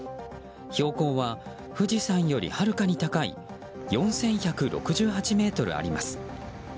標高は富士山よりはるかに高い４１６８ｍあります。